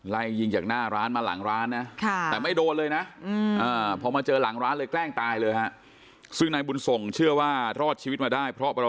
ไล่ยิงจากหน้าร้านมาหลังร้านนะแต่ไม่โดนนะพอมาเจอหลังร้านเลยแกล้งตายเลยฮะ